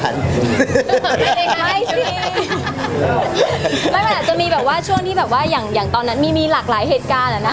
มันอาจจะมีแบบว่าช่วงที่แบบว่าอย่างตอนนั้นมีหลากหลายเหตุการณ์อะนะ